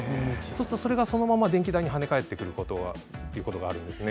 そうするとそれがそのまま電気代に跳ね返ってくるっていうことがあるんです。